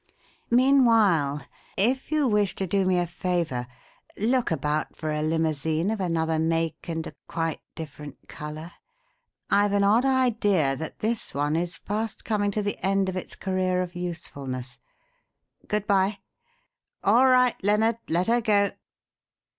Meanwhile, if you wish to do me a favour, look about for a limousine of another make and a quite different colour. I've an odd idea that this one is fast coming to the end of its career of usefulness. Good bye. All right, Lennard let her go."